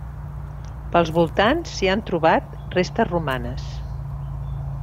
Pels voltants s'hi han trobat restes romanes.